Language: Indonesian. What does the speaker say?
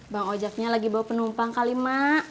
bang ojaknya lagi bawa penumpang kali mak